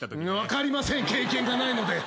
分かりません経験がないので！